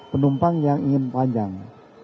penumpang yang ingin panjang